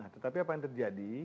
tetapi apa yang terjadi